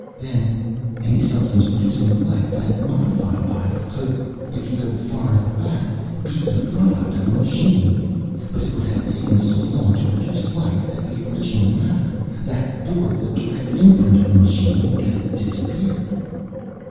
"Then any substance producing life and modified by it could if you go far enough back be the product of a machine. But it would have taken so long to produce life that the original matter, that bore the direct imprint of the machine, would have disappeared."